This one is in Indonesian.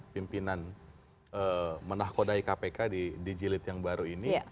pimpinan menahkodai kpk di dijilid yang baru ini